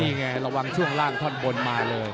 นี่ไงระวังช่วงล่างท่อนบนมาเลย